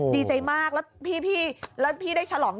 ดีใจมากแล้วพี่